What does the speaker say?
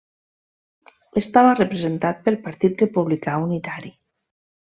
Estava representat pel Partit Republicà Unitari.